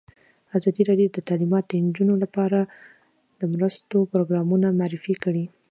ازادي راډیو د تعلیمات د نجونو لپاره لپاره د مرستو پروګرامونه معرفي کړي.